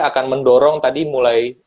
akan mendorong tadi mulai